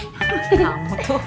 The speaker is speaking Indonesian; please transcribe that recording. gak mau tuh